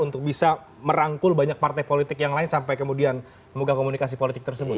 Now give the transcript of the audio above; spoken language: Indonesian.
untuk bisa merangkul banyak partai politik yang lain sampai kemudian membuka komunikasi politik tersebut